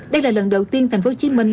đây là lần đầu tiên thành phố hồ chí minh